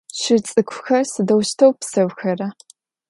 Şır ts'ık'uxer sıdeuşteu pseuxera?